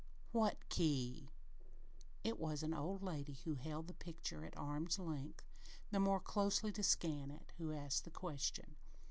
"What key?" It was an old lady who held the picture at arm's length, the more closely to scan it, who asked the question.